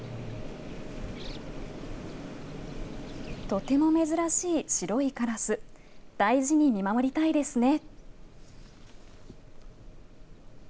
とても珍しい白いカラス、大事に見守りたいですね。